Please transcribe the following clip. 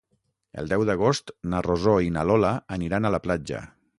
El deu d'agost na Rosó i na Lola aniran a la platja.